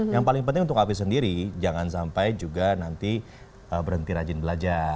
yang paling penting untuk api sendiri jangan sampai juga nanti berhenti rajin belajar